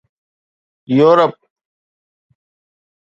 Europe